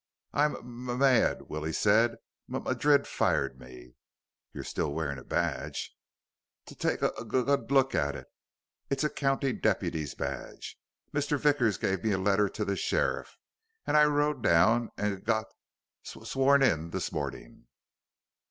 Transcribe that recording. "I'm m mad," Willie said. "M Madrid fired me." "You're still wearing a badge." "T take a g good look at it. It's a county deputy's badge. Mr. Vickers gave me a letter to the sheriff, and I rode down and g got s sworn in this morning."